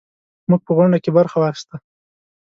موږ په غونډه کې برخه واخیسته.